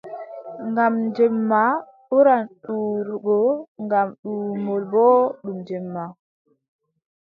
Ngam jemma ɓuran ɗuuɗugo ngam duumol boo ɗum jemma.